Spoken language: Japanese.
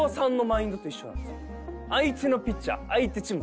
相手のピッチャー相手チームじゃない。